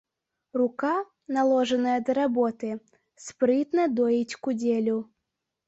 Рука, наложаная да работы, спрытна доіць кудзелю.